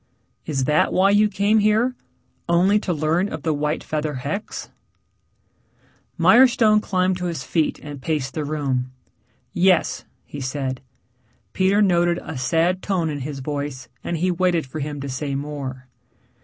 "Is that why you came here? Only to learn of the white feather hex?" Mirestone climbed to his feet and paced the room. "Yes," he said. Peter noted a sad tone in his voice, and he waited for him to say more.